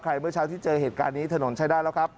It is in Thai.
เมื่อเช้าที่เจอเหตุการณ์นี้ถนนใช้ได้แล้วครับ